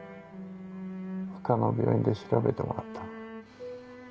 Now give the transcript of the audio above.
他の病院で調べてもらった。